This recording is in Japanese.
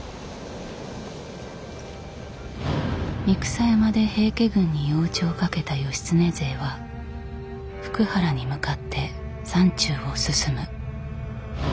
三草山で平家軍に夜討ちをかけた義経勢は福原に向かって山中を進む。